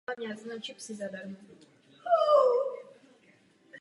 Princip se již ukázal být funkční na modely s rozpětím křídel přibližně jeden metr.